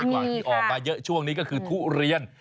กว่าที่ออกมาเยอะช่วงนี้ก็คือทุเรียน